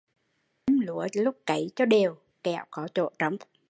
Châm lúa lúc cấy cho đều kẻo có chỗ trống